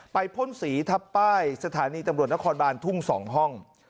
พ่นสีทับป้ายสถานีตำรวจนครบานทุ่ง๒ห้อง